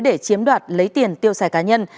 để chiếm đoạt lấy tiền tiêu xài cá nhân